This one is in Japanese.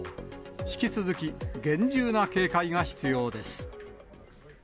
引き続き、厳重な警戒が必要です。